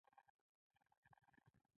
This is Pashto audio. زرګونو کسانو ته کار پیدا شوی.